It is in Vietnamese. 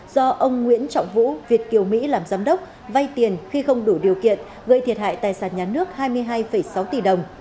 do ông nguyễn trọng vũ việt kiều mỹ làm giám đốc vay tiền khi không đủ điều kiện gây thiệt hại tài sản nhà nước hai mươi hai sáu tỷ đồng